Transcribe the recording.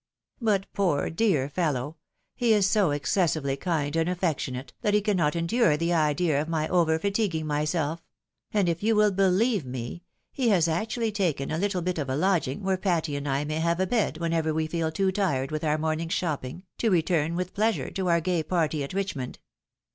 But poor, dear fellow ! he is so excessively kind and affectionate, that he cannot endure the idea of my over fatiguing myself; and if you wiU believe me, he has actually taken a httle bit of a lodging, where Patty and I may have a bed whenever we feel too tired with our morning's shopping to return with pleasure to our gay party at Richmond.